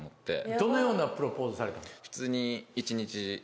どのようなプロポーズされたんですか？